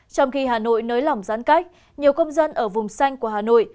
trong khi hà nội nới lỏng giãn cách nhiều công dân ở vùng xanh của hà nội